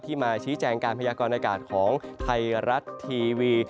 มาชี้แจงการพยากรณากาศของไทยรัฐทีวี